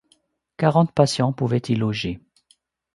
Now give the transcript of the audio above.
Quarante patients pouvaient y loger.